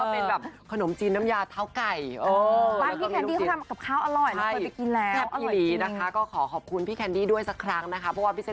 เพราะว่าพี่จักริ้นก็โซ๊ยเต็มพี่กัดมาเลย